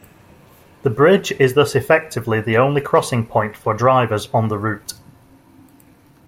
The bridge is thus effectively the only crossing point for drivers on the route.